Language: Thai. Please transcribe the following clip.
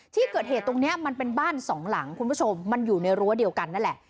ที่เกิดเหตุตรงนี้มันเป็นบ้านสองหลังคุณผู้ชมมันอยู่ในรั้วเดียวกันนั่นแหละ